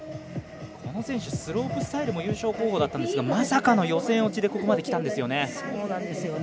この選手、スロープスタイルも優勝候補だったんですがまさかの予選落ちでここまできたんですよね。